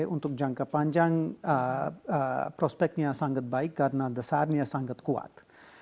untuk jangka panjang prospeknya sangat baik karena desainnya sangat kuat